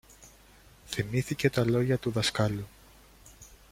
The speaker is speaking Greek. Θυμήθηκε τα λόγια του δασκάλου